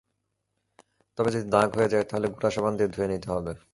তবে যদি দাগ হয়ে যায় তাহলে গুঁড়া সাবান দিয়ে ধুয়ে নিতে হবে।